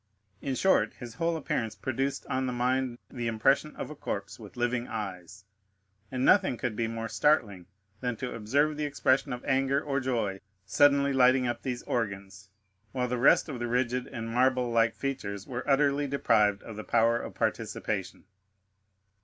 In short, his whole appearance produced on the mind the impression of a corpse with living eyes, and nothing could be more startling than to observe the expression of anger or joy suddenly lighting up these organs, while the rest of the rigid and marble like features were utterly deprived of the power of participation.